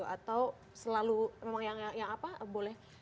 atau selalu memang yang apa boleh